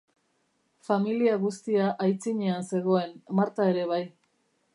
Familia guztia aitzinean zegoen, Marta ere bai.